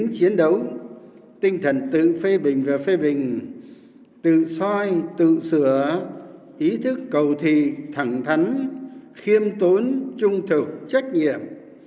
chiến đấu tinh thần tự phê bình và phê bình tự soi tự sửa ý thức cầu thị thẳng thắn khiêm tốn trung thực trách nhiệm